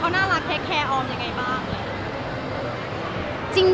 เขาน่ารักเทคแคร์ออมยังไงบ้าง